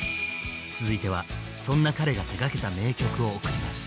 続いてはそんな彼が手がけた名曲を贈ります。